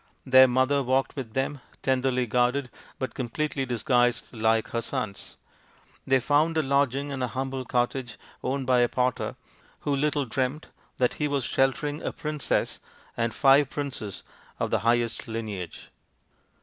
Their mother walked with them, tenderly guarded, but completely disguised like her sons. They found a lodging in a humble cottage owned by a potter, who little dreamt that he was sheltering a princess and five princes of the highest lineage.